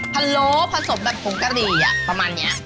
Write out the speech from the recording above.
ะโล้ผสมแบบผงกะหรี่ประมาณนี้